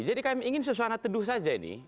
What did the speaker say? kami ingin suasana teduh saja ini